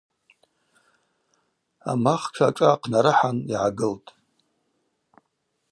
Амахтша ашӏа ахънарыхӏан йгӏагылтӏ.